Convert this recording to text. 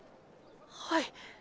はい。